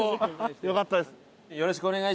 よかったです。